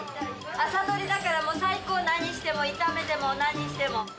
朝採りだから最高何しても炒めても何しても。